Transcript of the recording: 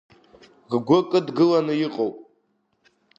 Ргәы кыдгыланы иҟоуп.